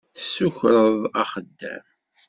Tessukreḍ axeddam.